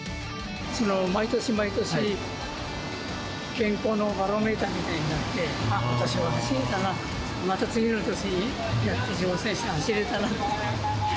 毎年毎年、健康のバロメーターみたいになって、ことしも走れたな、また、次の年、やって挑戦して、走れたなって。